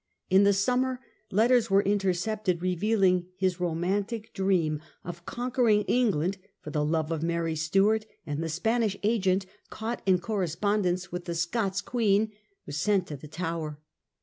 In the summer letters were inter cepted revealing his romantic dream of conquering Eng land for the love of Mary Stuart ; and the Spanish agent, caught in correspondence with the Scots Queen, was sent to the Tower.